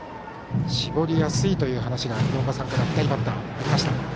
絞りやすいという話が廣岡さんからはありました。